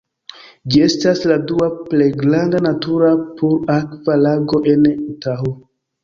Ĝi estas la dua plej granda natura pur-akva lago en Utaho.